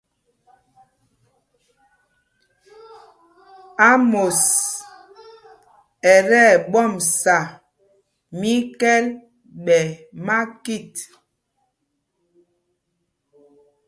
Ámos ɛ tí ɛɓɔmsa míkɛ̂l ɓɛ makit.